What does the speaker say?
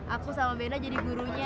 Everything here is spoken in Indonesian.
aku sama vena jadi gurunya